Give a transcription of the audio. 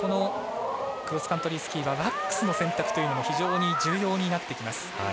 クロスカントリースキーはワックスの選択というのも非常に重要になってきます。